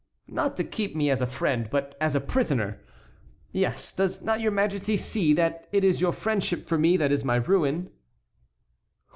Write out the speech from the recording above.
"Not to keep me as a friend, but as a prisoner. Yes; does not your Majesty see that it is your friendship for me that is my ruin?"